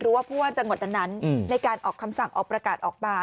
รัวพ่อจังหวัดนั้นในการออกคำสั่งออกประกาศออกปลา